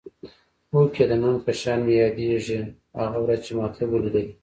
هوکې د نن په شان مې یادېږي هغه ورځ چې ما ته ولیدلې.